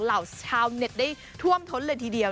เหล่าชาวเน็ตได้ท่วมท้นเลยทีเดียว